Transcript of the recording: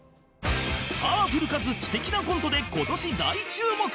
パワフルかつ知的なコントで今年大注目！